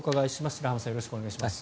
白濱さんよろしくお願いします。